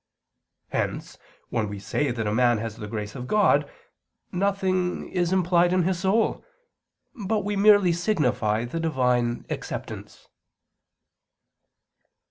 Hence when we say that a man has the grace of God, nothing is implied in his soul; but we merely signify the Divine acceptance.